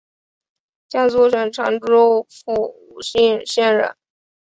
江苏省常州府武进县人。